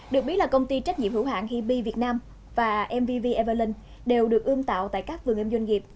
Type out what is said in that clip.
được biết là công ty trách nhiệm hữu hạng hibi việt nam và mvv evalon đều được ưm tạo tại các vườn em doanh nghiệp